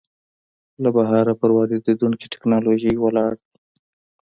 له بهره پر واردېدونکې ټکنالوژۍ ولاړ دی.